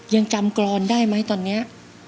ยังจำกรอนได้ไหมตอนนี้